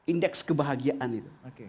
indeks kebahagiaan itu